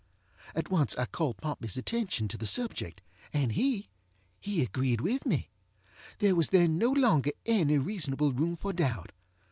At once I called PompeyŌĆÖs attention to the subject, and heŌĆöhe agreed with me. There was then no longer any reasonable room for doubt.